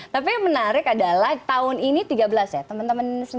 tapi yang menarik adalah tahun ini tiga belas ya teman teman